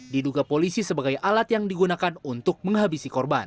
diduga polisi sebagai alat yang digunakan untuk menghabisi korban